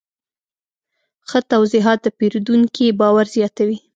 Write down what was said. ښه توضیحات د پیرودونکي باور زیاتوي.